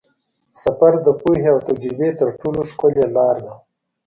سفر د پوهې او تجربې تر ټولو ښکلې لاره ده.